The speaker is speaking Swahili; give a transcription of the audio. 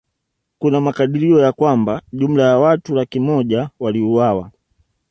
Kuna makadirio ya kwamba jumla ya watu laki moja waliuawa